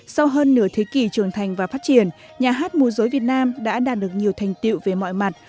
sau hơn nửa thế kỷ trưởng thành và phát triển nhà hát mùa dối việt nam đã đạt được nhiều thành tiệu về mọi mặt